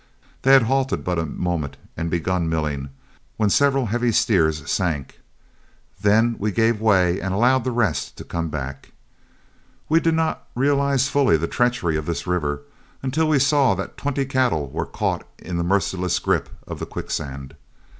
They had halted but a moment and begun milling, when several heavy steers sank; then we gave way and allowed the rest to come back. We did not realize fully the treachery of this river until we saw that twenty cattle were caught in the merciless grasp of the quicksand.